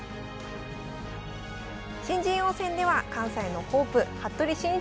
新人王戦では関西のホープ服部慎一郎五段が初優勝。